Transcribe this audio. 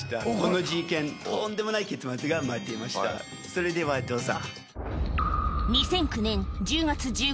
それではどうぞ。